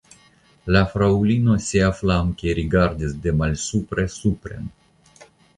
La fraŭlino siaflanke rigardis de malsupre supren.